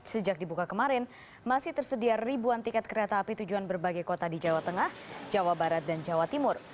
sejak dibuka kemarin masih tersedia ribuan tiket kereta api tujuan berbagai kota di jawa tengah jawa barat dan jawa timur